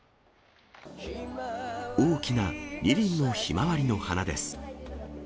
大きな２輪のひまわりの花です。